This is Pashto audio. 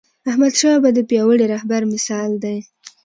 احمدشاه بابا د پیاوړي رهبر مثال دی..